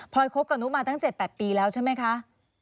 พอยคบกับนุมาตั้ง๗๘ปีแล้วใช่ไหมคะ